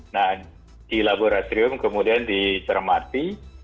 nah di laboratorium kemudian dicermati